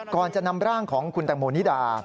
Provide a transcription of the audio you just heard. ก่อนจะนำร่างของคุณแตงโมนิดา